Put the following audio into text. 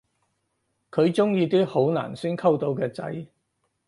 佢鍾意啲好難先溝到嘅仔